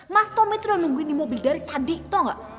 mas tommy tuh udah nungguin di mobil dari tadi tau gak